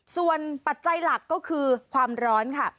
ส่วนปัจจัยหลักก็คือความร้อนค่ะ